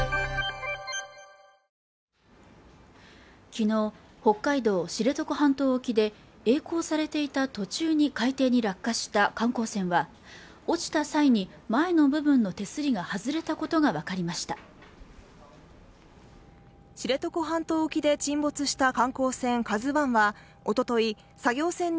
昨日北海道知床半島沖で曳航されていた途中に海底に落下した観光船は落ちた際に前の部分の手すりが外れたことが分かりました知床半島沖で沈没した観光船